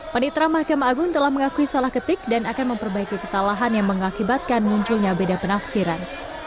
panitra mahkamah agung telah mengakui salah ketik dan akan memperbaiki kesalahan yang mengakibatkan munculnya beda penafsiran